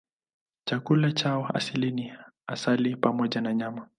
Chakula chao asili ni asali pamoja na nyama.